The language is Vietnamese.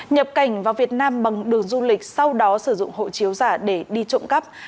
nhập cảnh vào việt nam bằng đường du lịch sau đó sử dụng hộ chiếu giả để đi trộm cắp